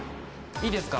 いいですか？